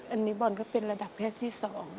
อันนี้บอลก็เป็นระดับเพศที่๒